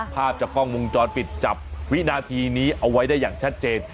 ภาพจากกล้องวงจรปิดจับวินาทีนี้เอาไว้ได้อย่างชัดเจน